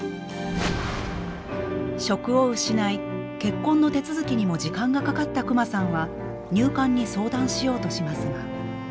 職を失い結婚の手続きにも時間がかかったクマさんは入管に相談しようとしますが。